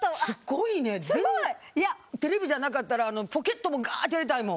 いやテレビじゃなかったらポケットもがってやりたいもん。